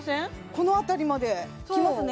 この辺りまできますね